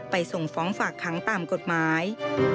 ส่งฟ้องฝากค้างตามกฎหมาย